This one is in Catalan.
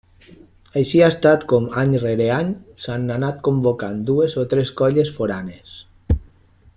Així ha estat com, any rere any, s'han anat convocant dues o tres colles foranes.